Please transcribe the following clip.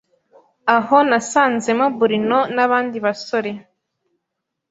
aho nasanzemo Bruno n’abandi basore